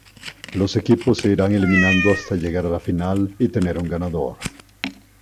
Los equipos se irán eliminando hasta llegar a la final y tener un ganador.